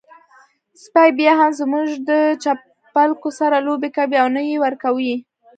سپی بيا هم زموږ د چپلکو سره لوبې کوي او نه يې ورکوي.